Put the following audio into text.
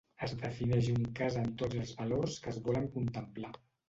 Es defineix un cas amb tots els valors que es volen contemplar.